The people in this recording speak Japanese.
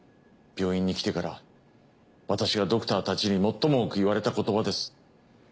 病院に来てから私がドクターたちに最も多く言われた言葉です。